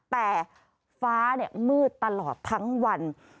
แต่ฟ้ามืดตลอดทั้งวัน